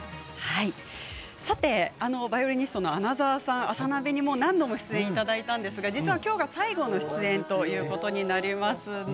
バイオリニストの穴澤さん「あさナビ」に、もう何度もご出演いただいたんですが実はきょうが最後の出演ということになりますね。